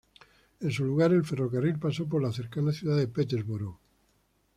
En su lugar el ferrocarril pasó por la cercana ciudad de Peterborough.